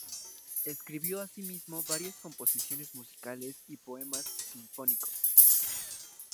Escribió asimismo varias composiciones musicales y poemas sinfónicos.